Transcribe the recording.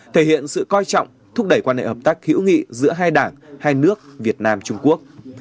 thể hiện sự coi trọng thúc đẩy quan hệ hợp tác hữu nghị giữa hai đảng hai nước việt nam trung quốc